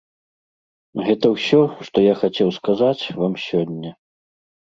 Гэта ўсё, што я хацеў сказаць вам сёння.